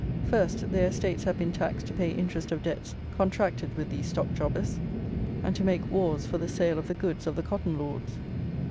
First, their estates have been taxed to pay interest of debts contracted with these Stock jobbers, and to make wars for the sale of the goods of the Cotton Lords.